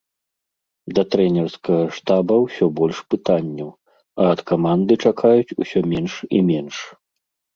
Да трэнерскага штаба ўсё больш пытанняў, а ад каманды чакаюць усё менш і менш.